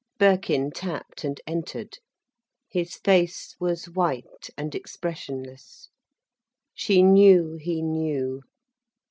Birkin tapped and entered. His face was white and expressionless. She knew he knew.